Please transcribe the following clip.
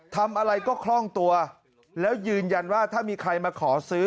ทำอะไรก็คล่องตัวแล้วยืนยันว่าถ้ามีใครมาขอซื้อ